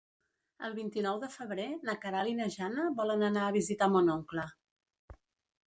El vint-i-nou de febrer na Queralt i na Jana volen anar a visitar mon oncle.